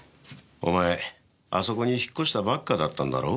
お前あそこに引っ越したばっかだったんだろ？